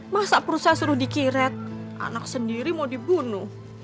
masa perusahaan suruh dikiret anak sendiri mau dibunuh